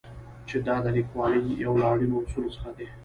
چې دا د لیکوالۍ یو له اړینو اصولو څخه دی.